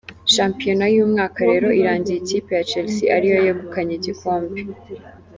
Shampiyona y'uyu mwaka rero irangiye ikipe ya Chelsea ariyo yegukanye igikombe.